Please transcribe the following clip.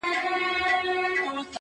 چنار دي ماته پېغور نه راکوي,